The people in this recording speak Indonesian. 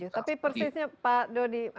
tapi persisnya pak dodi